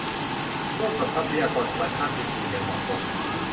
ร่วมกับทรัพยากรธรรมชาติอื่นอื่นอย่างเหมาะสม